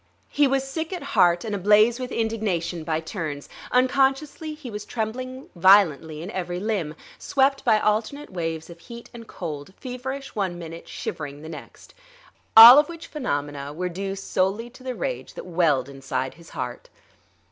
He was sick at heart and ablaze with indignation by turns. Unconsciously he was trembling violently in every limb; swept by alternate waves of heat and cold, feverish one minute, shivering the next. All of which phenomena were due solely to the rage that welled inside his heart.